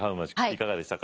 いかがでしたか？